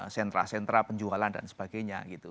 sentra sentra penjualan dan sebagainya gitu